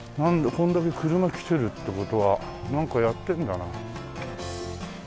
これだけ車来てるって事はなんかやってるんだな。